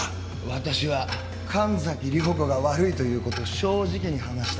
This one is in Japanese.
私は神崎涼子が悪いという事を正直に話した。